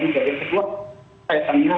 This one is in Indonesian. bisa kan berkontras di ya